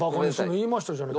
「言いました」じゃない。